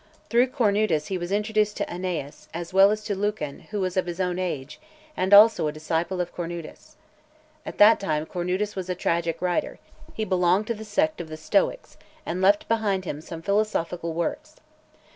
Through Cornutus he was introduced to Annaeus, as well as to Lucan, who was of his own age, and also a disciple of Cornutus. At that time Cornutus was a tragic writer; he belonged to the sect of the Stoics, and left behind him some philosophical works.